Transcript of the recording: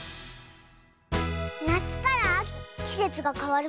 なつからあききせつがかわる